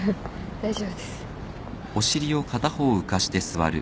大丈夫です。